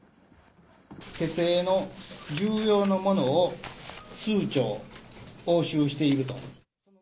手製の銃様のものを数丁、押収していると。